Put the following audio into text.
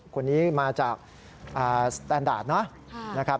คนนี้มาจากสแตนดาร์ดนะครับ